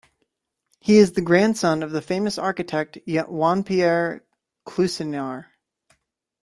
He is the grandson of the famous architect Jean-Pierre Cluysenaar.